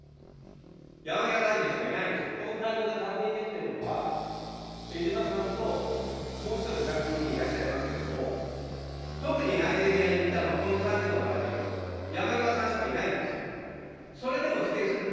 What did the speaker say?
山際大臣しかいないんですよ、この会合で確認できているのは、えじまさんと、もう１人、参議院議員いらっしゃいますけれども、特にナイジェリアに行ったのは、この３人の中で、山際さんしかいないんですよ。